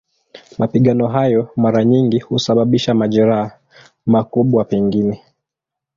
Mapigano hayo mara nyingi husababisha majeraha, makubwa pengine.